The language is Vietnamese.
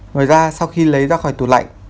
ngoài ra sau khi lấy ra khỏi tủ lạnh